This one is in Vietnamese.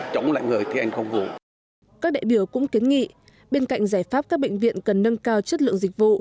các đại biểu cũng kiến nghị bên cạnh giải pháp các bệnh viện cần nâng cao chất lượng dịch vụ